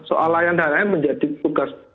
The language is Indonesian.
soal layanan menjadi tugas